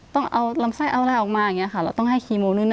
ต้องเอาลำไส้เอาอะไรออกมาอย่างนี้ค่ะเราต้องให้คีโมนู่น